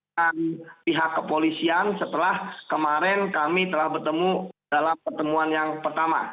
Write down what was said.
dengan pihak kepolisian setelah kemarin kami telah bertemu dalam pertemuan yang pertama